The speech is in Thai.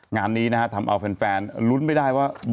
งานนี้นะฮะทำเอาแฟนลุ้นไม่ได้ว่า